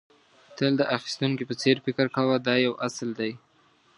تل د اخيستونکي په څېر فکر کوه دا یو اصل دی.